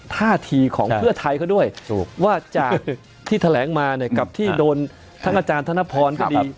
ทั้งอาจารย์ถนพรก็ดี